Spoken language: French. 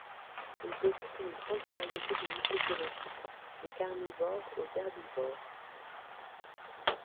Ils occupent une grande variété de niches écologiques, des carnivores aux herbivores.